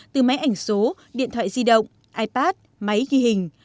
từ máy ảnh số điện thoại di động ipad máy ghi hình